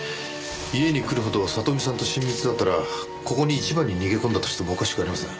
家に来るほど里実さんと親密だったらここに一番に逃げ込んだとしてもおかしくありません。